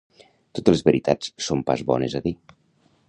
Totes les veritats són pas bones a dir